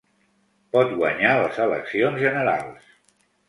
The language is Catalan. Pot guanyar les eleccions generals.